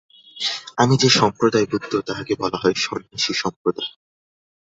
আমি যে-সম্প্রদায়ভুক্ত, তাহাকে বলা হয় সন্ন্যাসি-সম্প্রদায়।